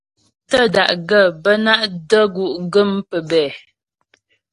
Tə́da'gaə́ bə́ ná’ də́gú' gə́m pəbɛ̂.